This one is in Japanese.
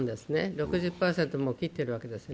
６０％切っているわけです。